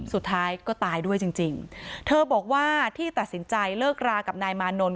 สุดท้ายก็ตายด้วยจริงจริงเธอบอกว่าที่ตัดสินใจเลิกรากับนายมานนท์